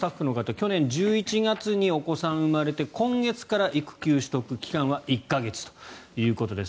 去年１１月にお子さんが産まれて今月から育休取得期間は１か月ということです。